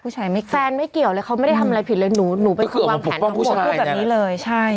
ใช่ค่ะแฟนไม่เกี่ยวเลยเขาไม่ได้ทำอะไรผิดเลยหนูเป็นคนวางแผนทั้งหมด